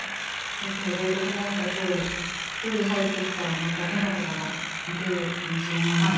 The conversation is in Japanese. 先ほど予告にあったとおり１人入ってきたらまたどなたかが抜けるかもしれないので。